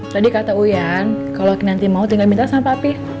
tadi kata uyan kalau nanti mau tinggal minta sampah api